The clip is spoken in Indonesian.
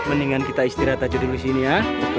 mendingan kita istirahat aja dulu sini ya